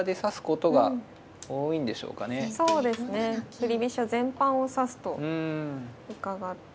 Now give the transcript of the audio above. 振り飛車全般を指すと伺っています。